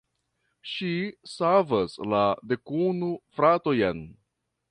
Ŝi savas la dekunu fratojn.